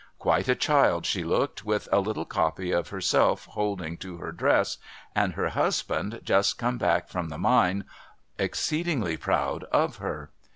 Quite a child she looked, with a little copy of herself holding to her dress ; and her husband, just come back from the mine, exceeding proud of her.